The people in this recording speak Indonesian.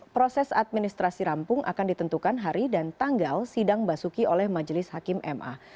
proses administrasi rampung akan ditentukan hari dan tanggal sidang basuki oleh majelis hakim ma